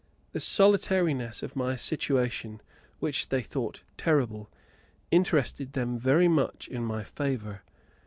The solitariness of my situation, which they thought terrible, interested them very much in my favour.